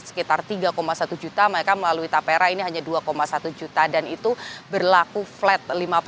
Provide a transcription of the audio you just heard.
sekitar tiga satu juta mereka melalui tapera ini hanya dua satu juta dan itu berlaku flat